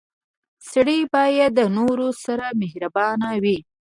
• سړی باید د نورو سره مهربان وي.